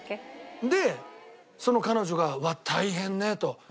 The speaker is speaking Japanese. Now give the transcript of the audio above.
でその彼女が「うわっ大変ね」と。